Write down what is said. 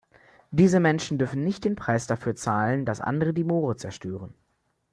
Diese Menschen dürfen nicht den Preis dafür zahlen, dass andere die Moore zerstören.